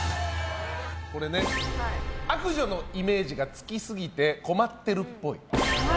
これね、悪女のイメージがつきすぎて困ってるっぽい。